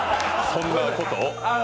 そんなことを。